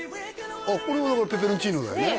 あっこれはだからペペロンチーノだよね